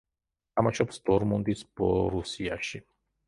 თამაშობს დორმუნდის „ბორუსიაში“.